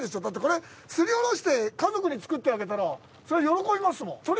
だってこれ、すりおろして家族に作ってあげたらそりゃ喜びますもん。